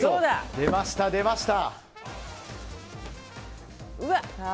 出ました、出ました。